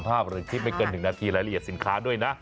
๒๓ภาพหรือที่ไม่เกิน๑นาทีและละเอียดสินค้าด้วยนะ